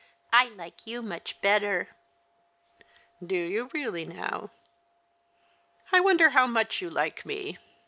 " I like you much better." " Do you really, now ? I wonder how much you like me.